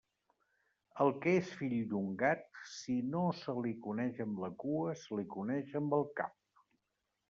El que és fill d'un gat, si no se li coneix amb la cua, se li coneix amb el cap.